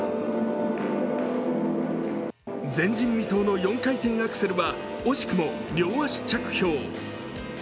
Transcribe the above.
前人未到の４回転アクセルは惜しくも両足着氷。